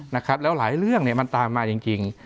นะครับแล้วหลายเรื่องเนี่ยมันตามมาจริง